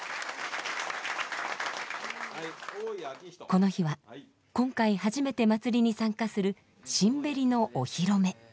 この日は今回初めて祭りに参加する新縁のお披露目。